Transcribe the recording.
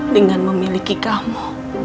dengan memiliki kamu